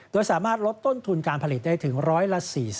โดยสามารถลดต้นทุนการผลิตได้ถึง๑๔๐